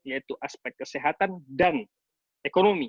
yaitu aspek kesehatan dan ekonomi